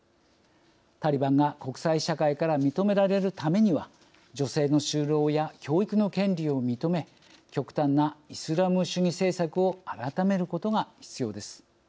タリバンが国際社会から認められるためには女性の就労や教育の権利を認め極端なイスラム主義政策を改めることが必要です。